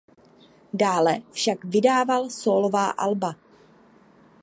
Dále však vydával sólová alba.